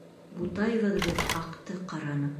Бутайбыҙ беҙ аҡты, ҡараны.